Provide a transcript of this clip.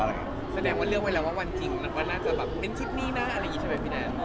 แสดงว่าเลือกไว้แล้วว่าวันจริงมันก็น่าจะแบบเป็นทริปนี้นะอะไรอย่างนี้ใช่ไหมพี่แนน